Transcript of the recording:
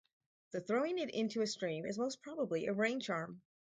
The throwing it into a stream is most probably a rain-charm.